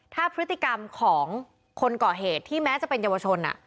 ถ้าพฤติกรรมของคนก่อเหตุที่แม้จะเป็นเยาวชน